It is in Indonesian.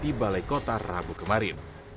di balai kota rabu kemarin